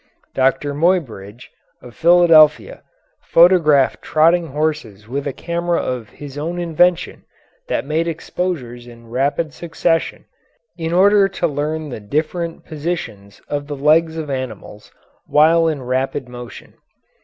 Doctor Muybridge, of Philadelphia, photographed trotting horses with a camera of his own invention that made exposures in rapid succession, in order to learn the different positions of the legs of animals while in rapid motion.